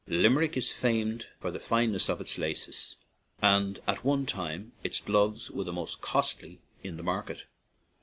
Limerick is famed for the fineness of its laces, and at one time its gloves were the most costly in the market.